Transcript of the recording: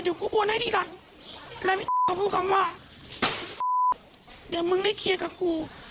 เดี๋ยวกูโอนให้ทีหลังแล้วเขาพูดคำว่าเดี๋ยวมึงได้เคลียร์กับกู